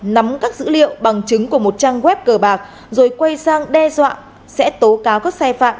nắm các dữ liệu bằng chứng của một trang web cờ bạc rồi quay sang đe dọa sẽ tố cáo các sai phạm